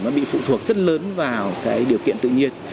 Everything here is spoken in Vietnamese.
nó bị phụ thuộc rất lớn vào cái điều kiện tự nhiên